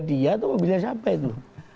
dia tuh mobilnya siapa itu